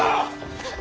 あっ。